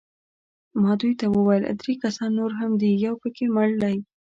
ما دوی ته وویل: درې کسان نور هم دي، یو پکښې مړ دی.